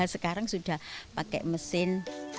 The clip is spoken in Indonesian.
sekarang sudah pakai mesin